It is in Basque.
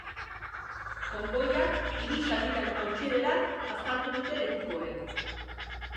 Konboia hiru zatitan hautsi dela azaldu dute lekukoek.